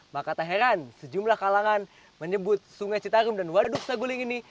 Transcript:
maka tak heran sejumlah kalangan menyebut sungai citarum dan waduk saguling ini